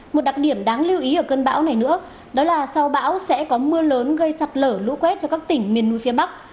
một đặc điểm đáng lưu ý ở cơn bão này nữa đó là sau bão sẽ có mưa lớn gây sạt lở lũ quét cho các tỉnh miền núi phía bắc